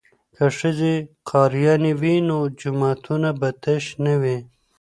که ښځې قاریانې وي نو جوماتونه به تش نه وي.